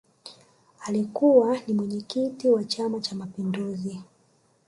Alikukwa ni mwenyekiki wa chama cha mapinguzi